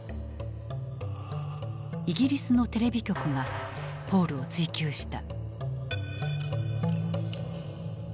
イギリスのテレビ局がポールを追及した。